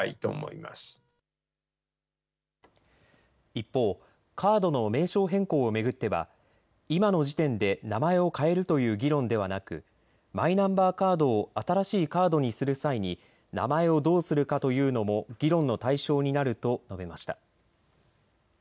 一方、カードの名称の変更を巡っては今の時点で名前を変えるという議論ではなくマイナンバーカードを新しいカードにする際に名前をどうするかというのも議論の対象になると述べました。